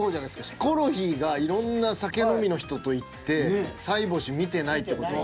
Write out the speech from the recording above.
ヒコロヒーがいろんな酒飲みの人と行ってさいぼし見てないって事は。